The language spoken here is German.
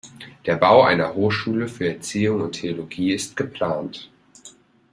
Der Bau einer Hochschule für Erziehung und Theologie ist geplant.